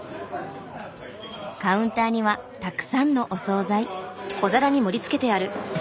カウンターにはたくさんのお総菜。